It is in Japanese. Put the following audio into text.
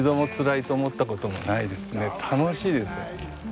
楽しいですよ。